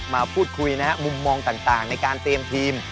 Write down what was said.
มาพูดคุยนะฮะมุมมองต่างในการเตรียมทีม